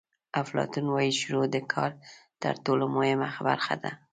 افلاطون وایي شروع د کار تر ټولو مهمه برخه ده.